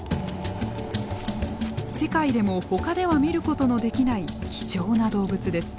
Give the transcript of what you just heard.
世界でもほかでは見ることのできない貴重な動物です。